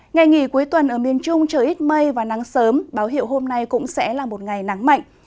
ngày nghỉ cuối tuần ở miền trung trời ít mây và nắng sớm báo hiệu hôm nay cũng sẽ là một ngày nắng mạnh